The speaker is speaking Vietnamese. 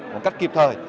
một cách kịp thời